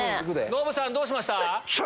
ノブさんどうしました？